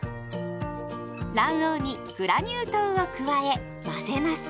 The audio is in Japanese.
卵黄にグラニュー糖を加え混ぜます。